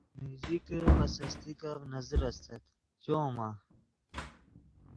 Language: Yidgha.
نے ایزیکے پے سستیکف نذّر استت چؤمآ؟